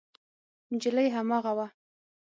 نجلۍ هماغه وه.